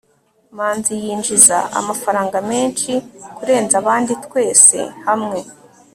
manzi yinjiza amafaranga menshi kurenza abandi twese hamwe